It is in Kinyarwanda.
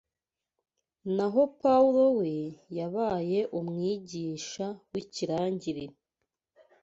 naho Pawulo we yabaye umwigisha w’ikirangirire